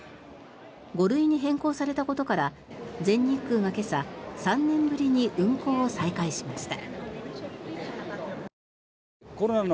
５類に変更されたことから全日空が今朝３年ぶりに運航を再開しました。